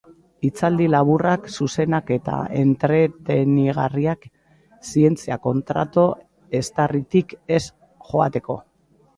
Hitzaldi laburrak, zuzenak eta entretenigarriak, zientzia kontrako eztarritik ez joateko.